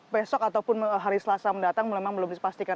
besok ataupun hari selasa mendatang memang belum dipastikan